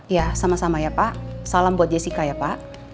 ya sama sama ya pak salam buat jessica ya pak